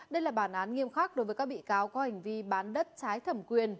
đây là bản án nghiêm khắc đối với các bị cáo có hành vi bán đất trái thẩm quyền